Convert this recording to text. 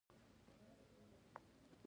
جینکۍ او هلکان د پوهنتون نه فارغېږي